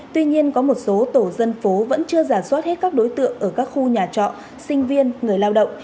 tuy nhiên có một số tổ dân phố vẫn chưa giả soát hết các đối tượng ở các khu nhà trọ sinh viên người lao động